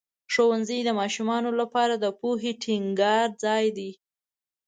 ښوونځی د ماشومانو لپاره د پوهې ټینګار ځای دی.